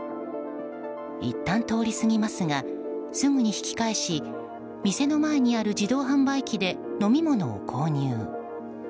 いったん通り過ぎますがすぐに引き返し店の前にある自動販売機で飲み物を購入。